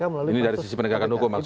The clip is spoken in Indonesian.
ini dari sisi penegakan hukum maksudnya